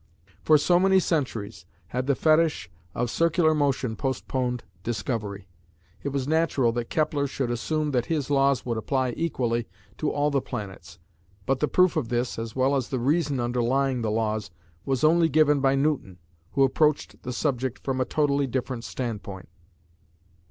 For so many centuries had the fetish of circular motion postponed discovery. It was natural that Kepler should assume that his laws would apply equally to all the planets, but the proof of this, as well as the reason underlying the laws, was only given by Newton, who approached the subject from a totally different standpoint.